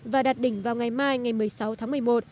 và đặt đỉnh vào ngày mai ngày một mươi sáu tháng một mươi một